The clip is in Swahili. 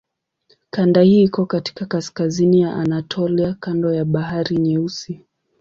Kanda hii iko katika kaskazini ya Anatolia kando la Bahari Nyeusi.